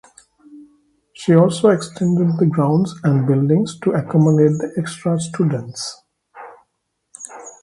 She also extended the grounds and buildings to accommodate the extra students.